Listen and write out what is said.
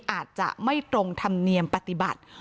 อาจจะไม่ตรงธรรมเนียมปฏิบัติ